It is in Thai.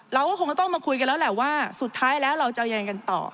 เราก็คงจะต้องมาคุยกันแล้วแหละว่าสุดท้ายแล้วเราจะเอายังไงกันต่อ